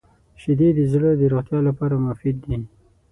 • شیدې د زړه د روغتیا لپاره مفید دي.